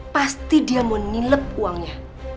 pasti dia mau nilep uangnya